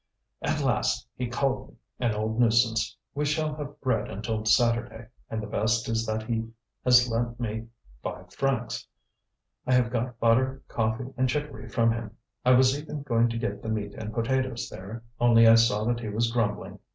"At last he called me an old nuisance. We shall have bread until Saturday, and the best is that he has lent me five francs. I have got butter, coffee, and chicory from him. I was even going to get the meat and potatoes there, only I saw that he was grumbling.